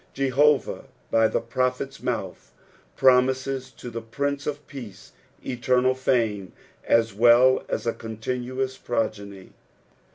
Je hovah by the prophet's mouth promises to the Prince of Peace eternal fame as veil as a continuous progeny.